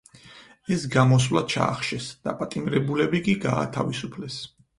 ეს გამოსვლა ჩაახშეს, დაპატიმრებულები კი გაათავისუფლეს.